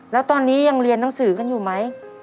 แล้วตอนนี้ยังเรียนหนังสือกันอยู่ไหม